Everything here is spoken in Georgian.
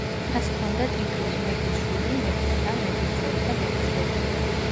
მას ჰქონდა ტიტული: „მეფის შვილი, მეფის და, მეფის ცოლი და მეფის დედა“.